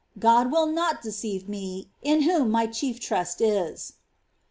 God will not deceive me, in whom my chief trust is."'